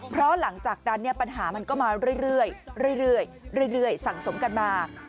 เพราะหลังจากนั้นปัญหามันก็มาเรื่อยสั่งสมกันมา